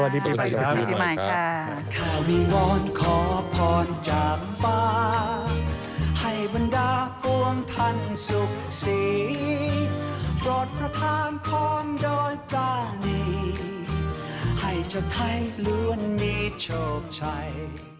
สีปลอดภัทรทางพร้อมโดยกานีให้เจ้าไทยล้วนมีโชคชัย